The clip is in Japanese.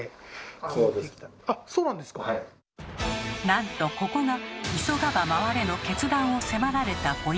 なんとここが「急がば回れ」の決断を迫られたポイント。